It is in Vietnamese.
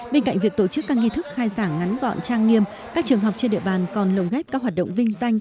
bên cạnh việc tổ chức các nghi thức khai giảng ngắn gọn trang nghiêm các trường học trên địa bàn còn lồng ghép các hoạt động vinh danh